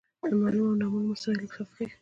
د معلومو او نامعلومو مسایلو تفکیک.